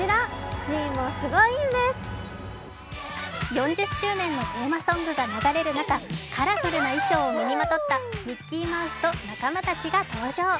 ４０周年のテーマソングが流れる中、カラフルな衣装を身にまとったミッキーマウスと仲間たちが登場。